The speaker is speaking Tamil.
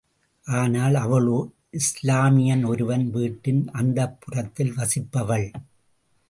ஆனால் அவளோ இஸ்லாமியன் ஒருவன் வீட்டின் அந்தப்புரத்தில் வசிப்பவள்!